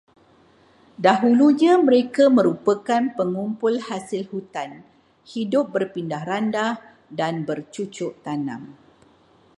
Dahulunya mereka merupakan pengumpul hasil hutan, hidup berpindah-randah, dan bercucuk tanam.